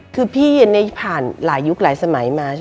คือพี่ผ่านหลายยุคหลายสมัยมา